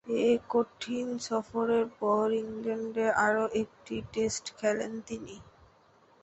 এ কঠিন সফরের পর ইংল্যান্ডে আরও একটি টেস্ট খেলেন তিনি।